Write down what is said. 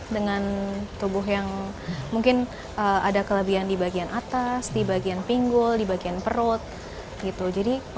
dengan tubuh yang mungkin ada kelebihan di bagian atas di bagian pinggul di bagian perut gitu jadi